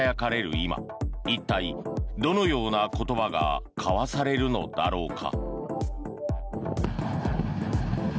今一体、どのような言葉が交わされるのだろうか。